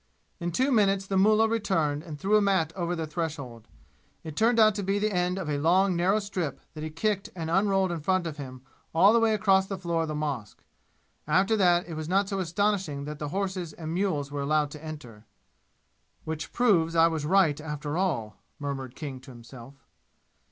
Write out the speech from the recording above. In two minutes the mullah returned and threw a mat over the threshold. It turned out to be the end of a long narrow strip that he kicked and unrolled in front of him all across the floor of the mosque. After that it was not so astonishing that the horses and mules were allowed to enter. "Which proves I was right after all!" murmured King to himself.